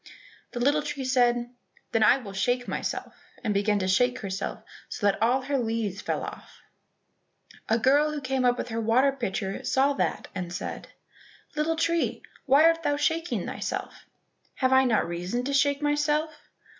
The little tree said, "Then I will shake myself," and began to shake herself so that all her leaves fell off; a girl who came up with her water pitcher saw that, and said, "Little tree, why art thou shaking thyself?" "Have I not reason to shake myself?"